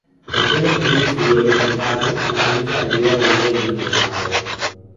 Othule akinkiyeeyo kithaapu, na ku kijaaliwa wiiya nthuume awe.